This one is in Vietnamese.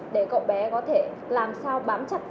để cậu bé có thể làm sao bám chặt